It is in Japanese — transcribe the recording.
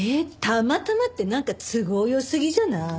たまたまってなんか都合良すぎじゃない？